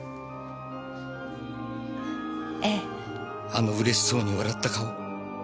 あのうれしそうに笑った顔。